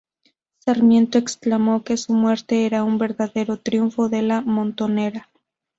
Sarmiento exclamó que su muerte era un verdadero triunfo de la montonera.